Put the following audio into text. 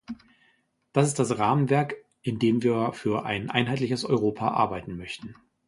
Das ist das Rahmenwerk, in dem wir für ein einheitliches Europa arbeiten möchten.